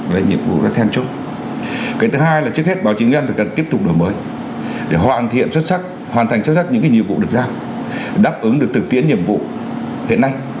về chủ đề về an ninh